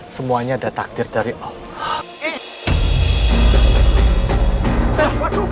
semuanya ada takdir dari allah